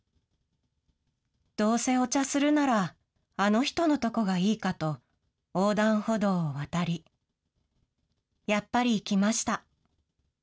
どうせお茶するなら、あの人のとこがいいかと横断歩道を渡り、やっぱり来ました。